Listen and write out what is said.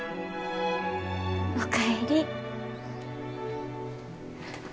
お帰り。